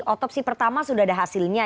otopsi pertama sudah ada hasilnya